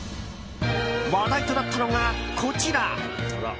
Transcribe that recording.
話題となったのが、こちら。